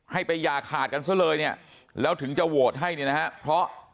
ให้ไปอย่าขาดกันซะเลยเนี่ยแล้วถึงจะโหวตให้เนี่ยนะฮะเพราะ